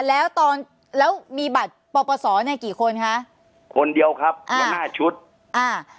แล้วตอนแล้วมีบัตรประสอบเนี้ยกี่คนค่ะคนเดียวครับอ่าชุดอ่า